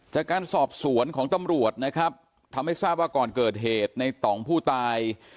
จากการสอบสวนของตำรวจนะครับทำให้ทราบว่าก่อนเกิดเหตุในต่องผู้ตาย